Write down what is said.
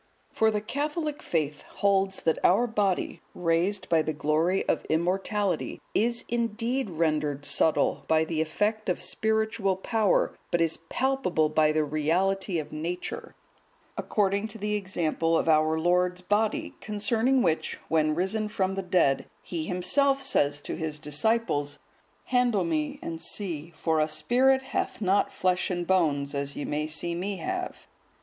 For the Catholic faith holds that our body, raised by the glory of immortality, is indeed rendered subtile by the effect of spiritual power, but is palpable by the reality of nature; according to the example of our Lord's Body, concerning which, when risen from the dead, He Himself says to His disciples, "Handle Me and see, for a spirit hath not flesh and bones, as ye see Me have."